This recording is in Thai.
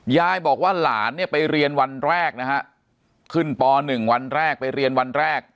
ยายบอกว่าหลานเนี่ยไปเรียนวันแรกนะฮะขึ้นป๑วันแรกไปเรียนวันแรก